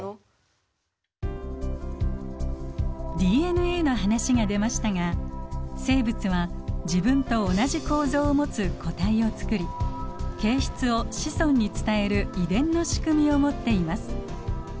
ＤＮＡの話が出ましたが生物は自分と同じ構造を持つ個体をつくり形質を子孫に伝える遺伝の仕組みを持っています。